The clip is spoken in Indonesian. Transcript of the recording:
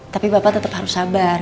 tapi bapak tetap harus sabar